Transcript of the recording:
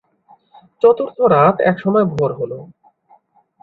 চতুর্থ রাত একসময় ভোর হল।